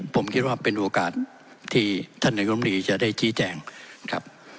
ผมคิดว่าเป็นโอกาสที่ท่านนายกรมรีจะได้ชี้แจงครับ